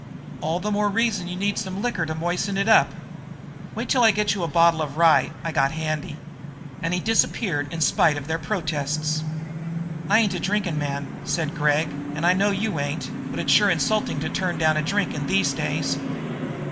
"All the more reason you need some liquor to moisten it up. Wait till I get you a bottle of rye I got handy." And he disappeared in spite of their protests. "I ain't a drinking man," said Gregg, "and I know you ain't, but it's sure insulting to turn down a drink in these days!"